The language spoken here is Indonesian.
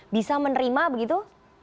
bisa menerima begitu